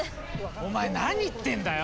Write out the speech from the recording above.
お前何言ってんだよ！